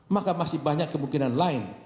maka masih banyak kemungkinan lain